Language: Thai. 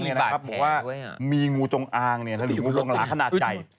บอกว่ามีงูจงอางเนี่ยถ้าอยู่ในลงกลางขนาดใหญ่